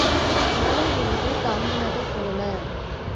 ஆலை விழுது தாங்கினது போல.